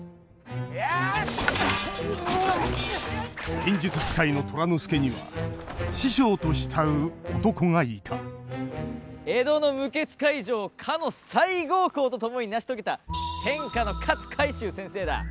剣術使いの虎之助には師匠と慕う男がいた江戸の無血開城をかの西郷公と共に成し遂げた天下の勝海舟先生だ。